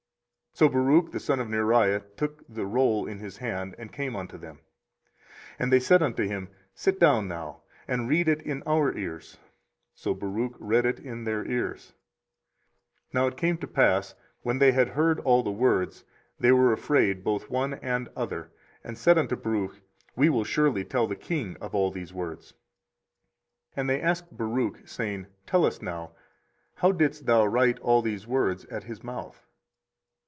So Baruch the son of Neriah took the roll in his hand, and came unto them. 24:036:015 And they said unto him, Sit down now, and read it in our ears. So Baruch read it in their ears. 24:036:016 Now it came to pass, when they had heard all the words, they were afraid both one and other, and said unto Baruch, We will surely tell the king of all these words. 24:036:017 And they asked Baruch, saying, Tell us now, How didst thou write all these words at his mouth?